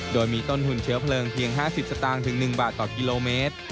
โดยมีต้นทุนเชื้อเพลิงเพียง๕๐สตางค์ถึง๑บาทต่อกิโลเมตร